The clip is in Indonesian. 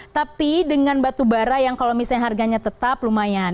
tapi dengan batubara yang kalau misalnya harganya tetap lumayan